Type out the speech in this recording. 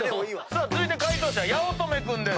続いて解答者八乙女君です。